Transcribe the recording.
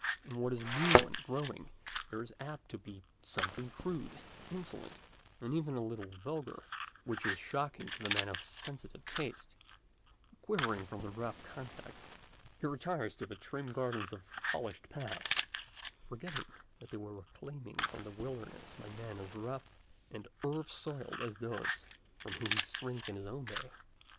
In what is new and growing there is apt to be something crude, insolent, even a little vulgar, which is shocking to the man of sensitive taste; quivering from the rough contact, he retires to the trim gardens of a polished past, forgetting that they were reclaimed from the wilderness by men as rough and earth soiled as those from whom he shrinks in his own day.